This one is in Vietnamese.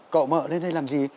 cậu mợ lên đây làm gì